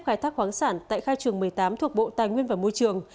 khai thác khoáng sản tại khai trường một mươi tám thuộc bộ tài nguyên và môi trường